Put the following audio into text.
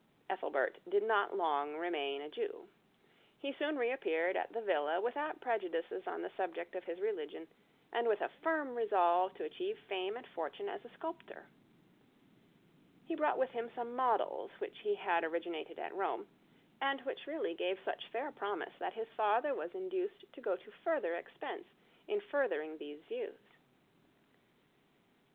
Ethelbert did not long remain a Jew. He soon reappeared at the villa without prejudices on the subject of his religion, and with a firm resolve to achieve fame and fortune as a sculptor. He brought with him some models which he had originated at Rome, and which really gave much fair promise that his father was induced to go to further expense in furthering these views.